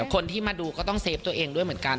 คนที่มาดูก็ต้องเซฟตัวเองด้วยเหมือนกัน